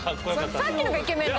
さっきのがイケメンだった。